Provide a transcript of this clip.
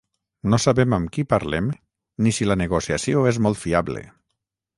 No sabem amb qui parlem ni si la negociació és molt fiable.